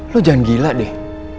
lo jangan gila deh